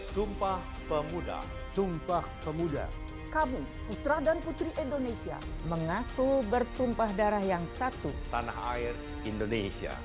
sumpah pemuda sumpah pemuda kamu putra dan putri indonesia mengaku bertumpah darah yang satu tanah air indonesia